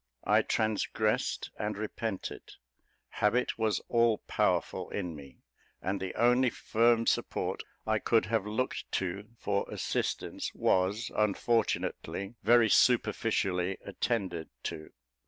I transgressed and repented; habit was all powerful in me; and the only firm support I could have looked to for assistance was, unfortunately, very superficially attended to.